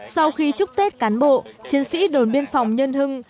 sau khi chúc tết cán bộ chiến sĩ đồn biên phòng nhân hưng